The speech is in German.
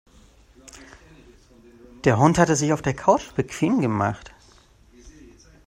Der Hund hat es sich auf der Couch bequem gemacht.